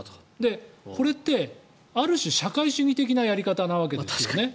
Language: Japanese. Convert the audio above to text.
これってある種、社会主義的なやり方なわけですね。